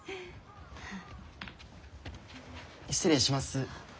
失礼します。